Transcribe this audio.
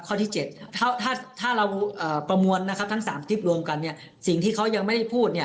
ที่๗ถ้าเราประมวลนะครับทั้ง๓คลิปรวมกันเนี่ยสิ่งที่เขายังไม่ได้พูดเนี่ย